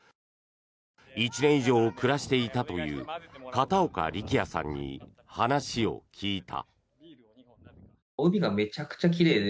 １年以上暮らしていたという片岡力也さんに話を聞いた。